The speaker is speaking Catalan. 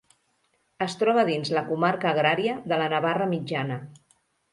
Es troba dins la comarca agrària de la Navarra Mitjana.